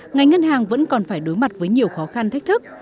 ngành ngân hàng vẫn còn phải đối mặt với nhiều khó khăn thách thức